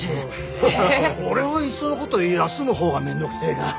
俺はいっそのこと休む方がめんどくせえが。